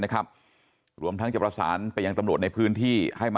นะครับรวมทั้งจัดประสานไปจัดประสานในพื้นที่